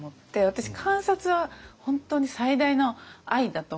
私観察は本当に最大の愛だと思うんですよね。